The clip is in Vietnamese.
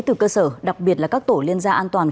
từ cơ sở đặc biệt là các tổ liên gia an toàn